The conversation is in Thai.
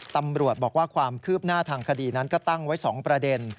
ตำรวจบอกว่าความคืบหน้าทางคดีนั้นก็ตั้งไว้๒ประเด็น